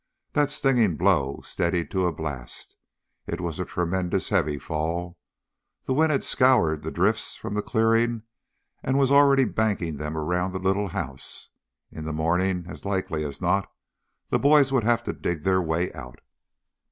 That stinging blow steadied to a blast. It was a tremendous, heavy fall. The wind had scoured the drifts from the clearing and was already banking them around the little house. In the morning, as like as not, the boys would have to dig their way out.